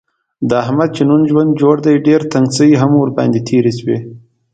د احمد چې نن ژوند جوړ دی، ډېر تنګڅۍ هم ورباندې تېرې شوي دي.